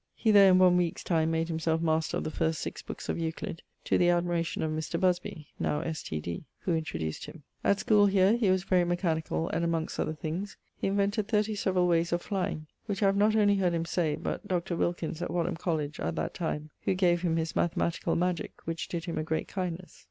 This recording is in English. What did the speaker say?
He there in one weeke's time made himselfe master of the first VI bookes of Euclid, to the admiration of Mr. Busby (now S.T.D.), who introduced him. At schoole here he was very mechanicall, and (amongst other things) he invented thirty severall wayes of flying, which I have not only heard him say, but Dr. Wilkins (at Wadham College at that time), who gave him his Mathematicall Magique which did him a great kindnes.